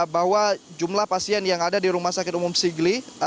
bahwa jumlah pasien yang ada di rumah sakit umum sigli